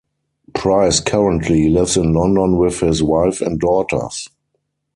Price currently lives in London with his wife and daughters.